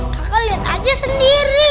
kaka liat aja sendiri